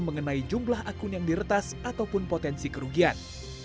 mengenai jumlah akun yang diretas ataupun potensi kerugian